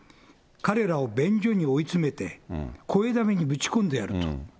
彼らを便所に追い詰めて、こえだめにぶち込んでやると。